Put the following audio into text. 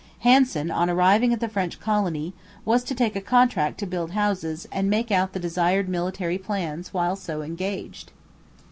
Hanson, on arriving at the French colony, was to take a contract to build houses and make out the desired military plans while so engaged.